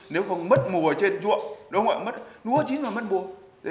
nếu không mất mùa trên chuộng đúng không ạ mất lúa chín mà mất mùa